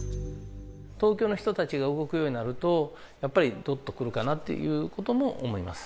東京の人たちが動くようになると、やっぱりどっと来るかなということも思います。